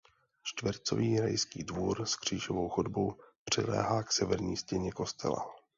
Čtvercový rajský dvůr s křížovou chodbou přiléhá k severní stěně kostela.